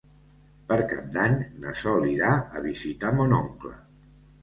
Per Cap d'Any na Sol irà a visitar mon oncle.